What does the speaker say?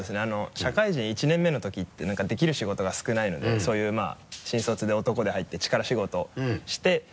社会人１年目のときって何かできる仕事が少ないのでそういうまぁ新卒で男で入って力仕事して。